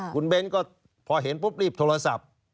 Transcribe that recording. คุณเบ้นก็พอเห็นปุ๊บรีบโทรศัพท์